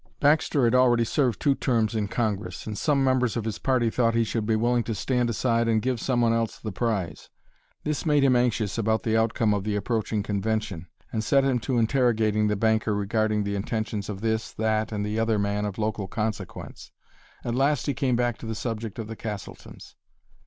Baxter had already served two terms in Congress, and some members of his party thought he should be willing to stand aside and give some one else the prize. This made him anxious about the outcome of the approaching convention, and set him to interrogating the banker regarding the intentions of this, that, and the other man of local consequence. At last he came back to the subject of the Castletons.